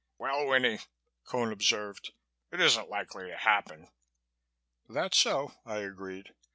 "Well, Winnie," Cone observed. "It isn't likely to happen." "That's so," I agreed.